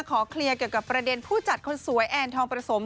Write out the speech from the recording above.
ขอเคลียร์เกี่ยวกับประเด็นผู้จัดคนสวยแอนทองประสม